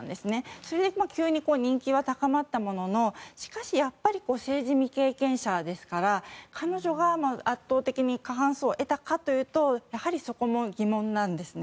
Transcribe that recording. それが急に人気は高まったもののしかし、やっぱり政治未経験者ですから彼女が圧倒的に過半数を得たかというとやはりそこも疑問なんですね。